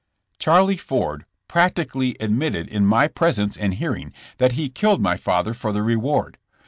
'' Charlie Ford practically admitted in my presence and hearing that he killed my father for the reward.